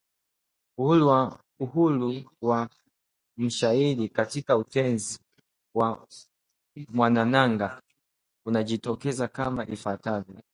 Uhuru wa mshairi katika Utenzi wa Mwanamanga unajitokeza kama ifuatavyo: